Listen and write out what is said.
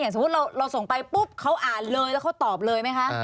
สมมุติเราส่งไปปุ๊บเขาอ่านเลยแล้วเขาตอบเลยไหมคะ